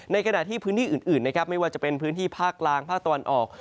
ขณะที่พื้นที่อื่นนะครับไม่ว่าจะเป็นพื้นที่ภาคกลางภาคตะวันออก